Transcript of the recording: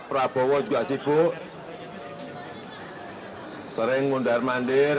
prabowo juga sibuk sering ngundar mandir